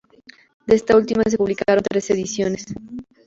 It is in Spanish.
De esta última se publicaron tres ediciones.